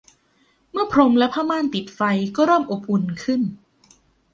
เมื่อพรมและผ้าม่านติดไฟก็เริ่มอบอุ่นขึ้น